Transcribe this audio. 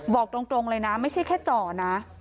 บอกตรงเลยนะไม่ใช่แค่จ่อนะ